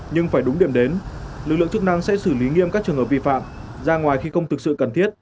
nhưng phải đúng điểm đến lực lượng chức năng sẽ xử lý nghiêm các trường hợp vi phạm ra ngoài khi không thực sự cần thiết